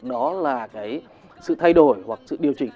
nó là cái sự thay đổi hoặc sự điều chỉnh